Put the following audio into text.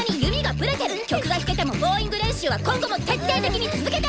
曲が弾けてもボーイング練習は今後も徹底的に続けて！